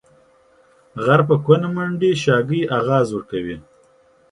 غر په کونه منډي ، شاگى اغاز ورکوي.